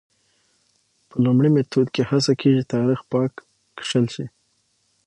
په لومړي میتود کې هڅه کېږي تاریخ پاک کښل شي.